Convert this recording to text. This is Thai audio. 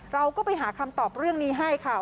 เราก็ไปหาคำตอบเรื่องนี้ให้ค่ะ